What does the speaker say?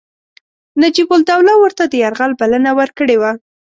نجیب الدوله ورته د یرغل بلنه ورکړې وه.